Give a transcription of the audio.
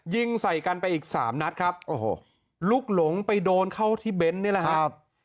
ยิงใส่กันไปอีกสามนัดครับโอ้โหลุกหลงไปโดนเข้าที่เบนท์นี่แหละครับ